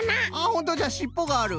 ほんとじゃしっぽがある。